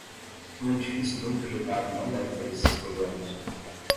Um edifício bem projetado não deve ter esses problemas.